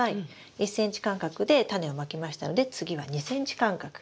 １ｃｍ間隔でタネをまきましたので次は２ｃｍ間隔。